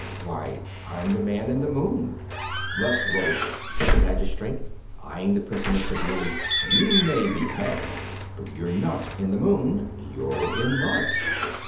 "Why, I'm the Man in the Moon." "That's rubbish!" said the magistrate, eyeing the prisoner severely, "you may be a man, but you're not in the moon you're in Norwich."